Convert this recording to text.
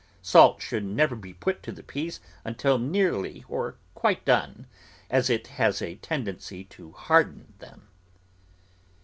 Salt should never be put to the peas until nearly or quite done, as it has a tendency to harden them.